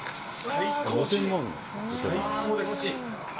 最高です。